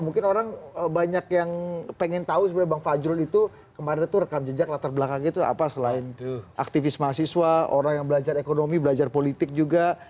mungkin orang banyak yang pengen tahu sebenarnya bang fajrul itu kemarin tuh rekam jejak latar belakangnya itu apa selain aktivis mahasiswa orang yang belajar ekonomi belajar politik juga